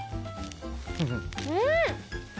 うん！